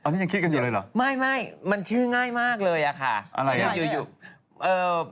ที่ที่เว้ารองแก้ว